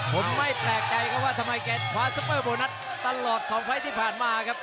ผมไม่แปลกใจครับว่าทำไมแกคว้าซุปเปอร์โบนัสตลอด๒ไฟล์ที่ผ่านมาครับ